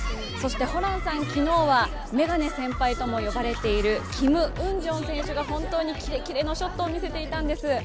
そして、ホランさん、昨日はメガネ先輩とも呼ばれているキム・ウンジョン選手が本当にキレキレのショットを見せていたんです。